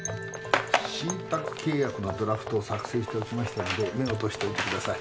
信託契約のドラフトを作成しておきましたので目を通しといてください。